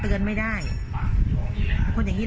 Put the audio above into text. เตือนไม่ได้อบรมไม่ได้สั่งสอนไม่ได้เนี่ยไม่ได้เลย